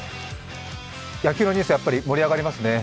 野球のニュース、やっぱり盛り上がりますね。